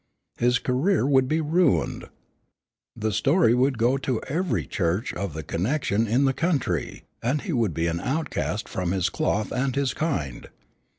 His career would be ruined. The story would go to every church of the connection in the country, and he would be an outcast from his cloth and his kind.